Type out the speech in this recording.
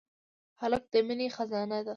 هلک د مینې خزانه ده.